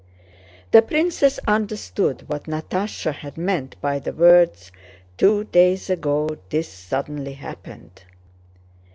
The princess understood what Natásha had meant by the words: "two days ago this suddenly happened."